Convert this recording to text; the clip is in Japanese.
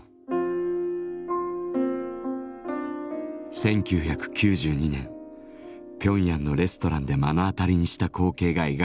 １９９２年ピョンヤンのレストランで目の当たりにした光景が描かれています。